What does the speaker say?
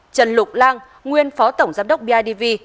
trần lục lang nguyên phó tổng giám đốc bidv